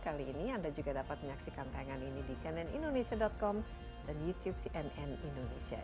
kali ini anda juga dapat menyaksikan tayangan ini di cnnindonesia com dan youtube cnn indonesia